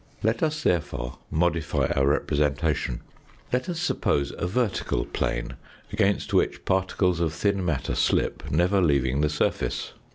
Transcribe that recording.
Let us therefore modify our representation. Le't us suppose a vertical plane against which particles of thin matter slip, never leaving the surface.